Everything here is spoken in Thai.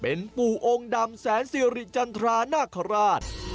เป็นปู่องค์ดำแสนสิริจันทรานาคาราช